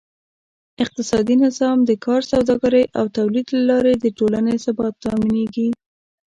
اقتصادي نظام: د کار، سوداګرۍ او تولید له لارې د ټولنې ثبات تأمینېږي.